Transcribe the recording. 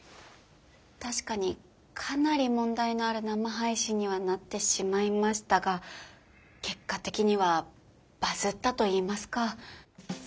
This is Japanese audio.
確かにかなり問題のある生配信にはなってしまいましたが結果的にはバズったと言いますか。